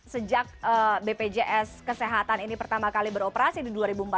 sejak bpjs kesehatan ini pertama kali beroperasi di dua ribu empat belas